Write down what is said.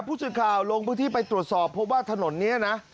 ผู้สื่อข่าวลงพื้นที่ไปตรวจสอบเพราะว่าถนนนี้นะ